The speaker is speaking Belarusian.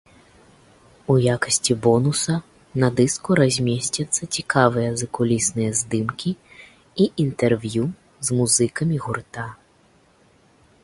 У якасці бонуса на дыску размесцяцца цікавыя закулісныя здымкі і інтэрв'ю з музыкамі гурта.